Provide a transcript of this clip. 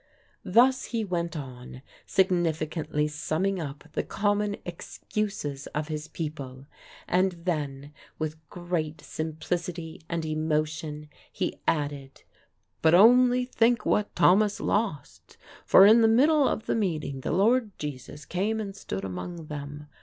Thus he went on, significantly summing up the common excuses of his people; and then, with great simplicity and emotion, he added, "But only think what Thomas lost! for in the middle of the meeting, the Lord Jesus came and stood among them!